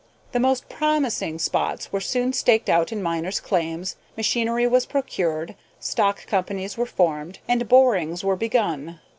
The most promising spots were soon staked out in miners' claims, machinery was procured, stock companies were formed, and borings were begun.